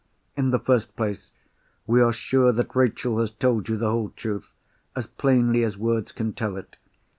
In the first place, we are sure that Rachel has told you the whole truth, as plainly as words can tell it.